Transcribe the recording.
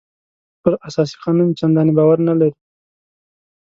پر اساسي قانون چندانې باور نه لري.